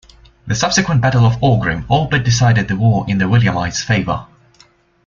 The subsequent Battle of Aughrim all but decided the war in the Williamites' favour.